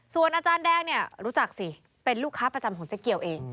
ส่วนอาจารย์แดงเนี่ยรู้จักสิเป็นลูกค้าประจำของเจ๊เกียวเอง